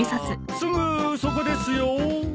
すぐそこですよ。